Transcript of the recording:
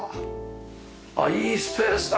あっいいスペースだ